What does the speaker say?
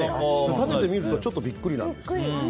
食べてみるとちょっとビックリなんですよ。